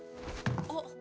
あっ。